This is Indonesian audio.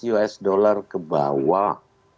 seratus usd ke bawah